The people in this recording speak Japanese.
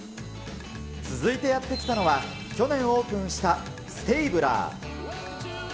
続いてやって来たのは、去年オープンしたステイブラー。